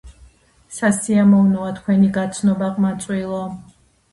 სასიამოვნოა თქვენი გაცნობა ყმაწვილო